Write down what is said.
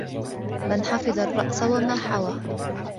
مَنْ حَفِظَ الرَّأْسَ وَمَا حَوَى